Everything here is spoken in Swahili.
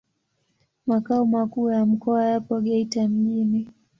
Makao makuu ya mkoa yapo Geita mjini.